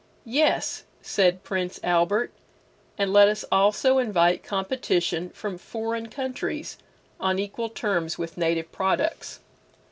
Yes, said Prince Albert, and let us also invite competition from foreign countries on equal terms with native products.